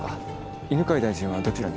犬飼大臣はどちらに？